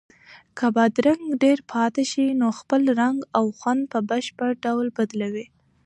که بادرنګ ډېر پاتې شي نو خپل رنګ او خوند په بشپړ ډول بدلوي.